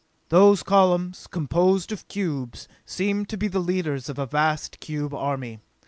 Those columns, composed of cubes, seemed to be the leaders of a vast cube army.